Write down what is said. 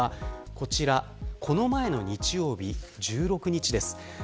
こちらこの前の日曜日、１６日です。